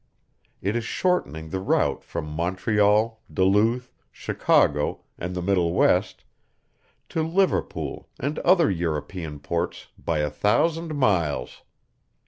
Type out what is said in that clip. It is shortening the route from Montreal, Duluth, Chicago, and the Middle West to Liverpool and other European ports by a thousand miles.